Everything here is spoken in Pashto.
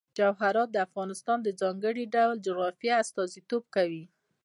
جواهرات د افغانستان د ځانګړي ډول جغرافیه استازیتوب کوي.